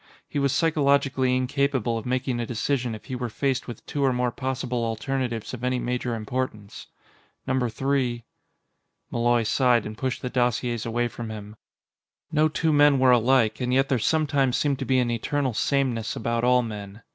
He was psychologically incapable of making a decision if he were faced with two or more possible alternatives of any major importance. Number three ... Malloy sighed and pushed the dossiers away from him. No two men were alike, and yet there sometimes seemed to be an eternal sameness about all men.